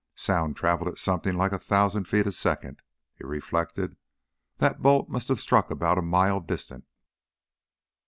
Sound traveled something like a thousand feet a second, he reflected; that bolt must have struck about a mile distant.